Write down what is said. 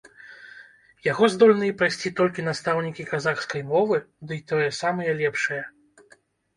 Яго здольныя прайсці толькі настаўнікі казахскай мовы, дый тое самыя лепшыя.